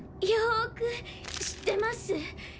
よく知ってます。